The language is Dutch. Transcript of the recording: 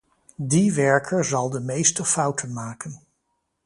Die werker zal de meeste fouten maken.